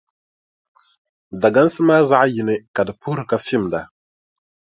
Dagansi maa zaɣʼ yini ka di puhiri ka fimda.